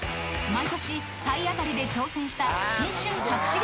［毎年体当たりで挑戦した］